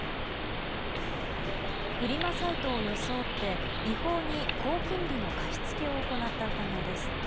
フリマサイトを装って違法に高金利の貸し付けを行った疑いです。